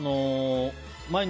毎日。